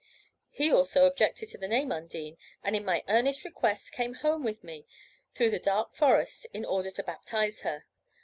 He also objected to the name Undine; and at my earnest request, came home with me, through the dark forest, in order to baptise her.